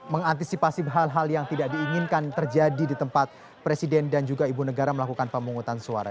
mengantisipasi hal hal yang tidak diinginkan terjadi di tempat presiden dan juga ibu negara melakukan pemungutan suara